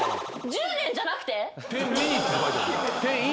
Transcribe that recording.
１０年じゃないの？